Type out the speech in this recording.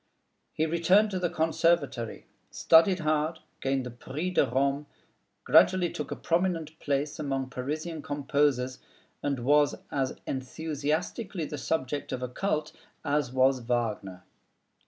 He returned to the Conservatory, studied hard, gained the Prix de Rome, gradually took a prominent place among Parisian composers, and was as enthusiastically the subject of a cult as was Wagner.